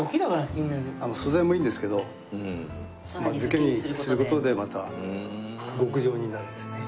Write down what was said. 素材もいいんですけど漬けにする事でまた極上になるんですね。